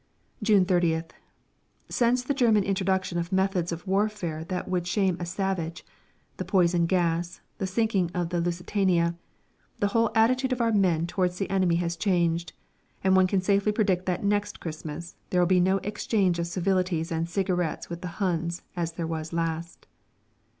June 30th. Since the German introduction of methods of warfare that would shame a savage the poison gas, the sinking of the Lusitania the whole attitude of our men towards the enemy has changed, and one can safely predict that next Christmas there will be no exchange of civilities and cigarettes with the Huns as there was last.